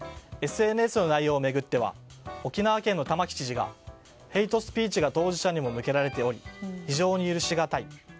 ＳＮＳの内容を巡っては沖縄県の玉城知事がヘイトスピーチが当事者にも向けられており非常に許しがたい。